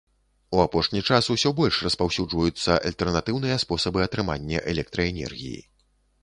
У апошні час усё больш распаўсюджваюцца альтэрнатыўныя спосабы атрымання электраэнергіі.